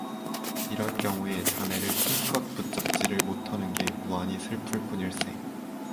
이런 경우에 자네를 힘껏 붙잡지를 못허는 게 무한히 슬플 뿐일세.